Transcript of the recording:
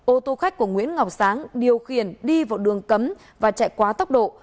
ô tô khách của nguyễn ngọc sáng điều khiển đi vào đường cấm và chạy quá tốc độ